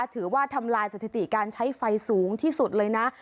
ถือว่าทำลายสถิติการใช้ไฟสูงที่สุดเลยนะ